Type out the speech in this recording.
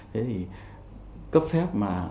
thế thì cấp phép mà